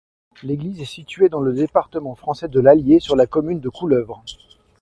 L'église est située dans le département français de l'Allier, sur la commune de Couleuvre.